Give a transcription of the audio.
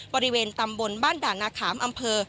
บริเวณตำบลบ้านด่านนาขามอำเภอ